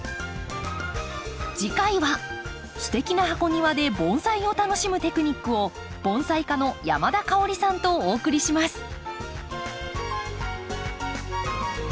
次回はステキな箱庭で盆栽を楽しむテクニックを盆栽家の山田香織さんとお送りします。